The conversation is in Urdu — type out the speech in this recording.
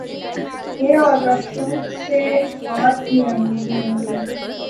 گے اور رشوت سے ہاتھ بھی رنگیں گے۔